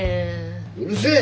うるせえ！